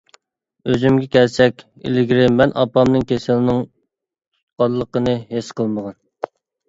ئۆزۈمگە كەلسەك، ئىلگىرى مەن ئاپامنىڭ كېسىلىنىڭ تۇتقانلىقىنى ھېس قىلمىغان.